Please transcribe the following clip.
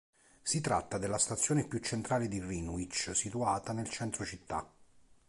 Si tratta della stazione più centrale di Greenwich, situata nel centro città.